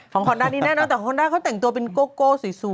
คอนด้านนี้แน่แต่ฮอนด้าเขาแต่งตัวเป็นโก้สวย